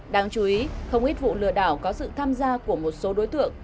đáng chú ý không ít vụ lừa đảo có sự tham gia của một số đối tượng